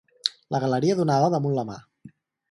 La galeria donava damunt la mar.